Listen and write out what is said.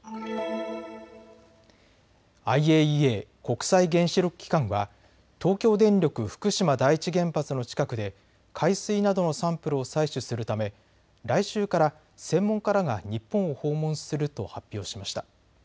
ＩＡＥＡ・国際原子力機関は東京電力福島第一原発の近くで海水などのサンプルを採取するため来週から専門家らが日本を訪問すると発表しました。